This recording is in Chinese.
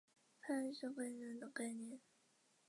半鞅是概率论的概念。